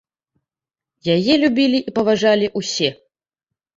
Яе любілі і паважалі ўсе.